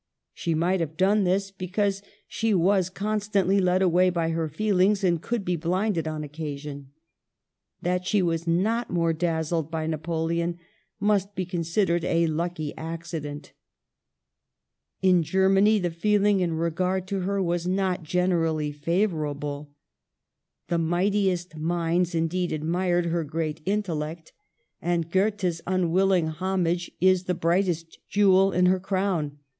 She might have done this, because she was constantly led away by her feel ings, and could be blind on occasion. That she was not more dazzled by Napoleon must be con sidered a lucky accident. In Germany the feeling in regard to her was not generally favorable. The mightiest minds, indeed, admired her great intellect ; and Goethe's Digitized by VjOOQIC 132 MADAME DE STAML unwilling homage is the brightest jewel in her crown.